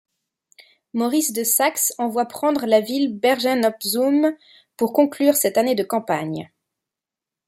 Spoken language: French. Maurice de Saxe envoie prendre la ville Bergen-op-Zoom pour conclure cette année de campagne.